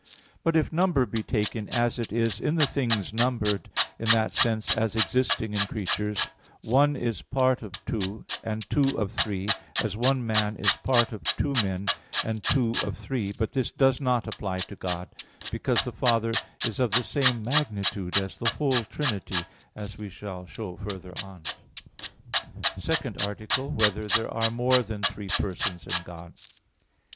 But if number be taken as it is in the things numbered, in that sense as existing in creatures, one is part of two, and two of three, as one man is part of two men, and two of three; but this does not apply to God, because the Father is of the same magnitude as the whole Trinity, as we shall show further on (Q. 42, AA. 1, 4). _______________________ SECOND ARTICLE [I, Q. 30, Art. 2] Whether There Are More Than Three Persons in God?